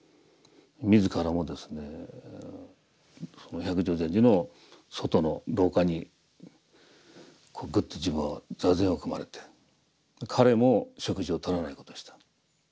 自らもですね百丈禅師の外の廊下にグッと自分は坐禅を組まれて彼も食事をとらないことにした。